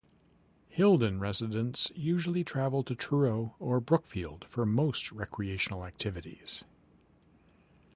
Hilden residents usually travel to Truro or Brookfield for most recreational activities.